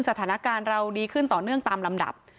สถานการณ์เราดีขึ้นต่อเนื่องตามลำดับ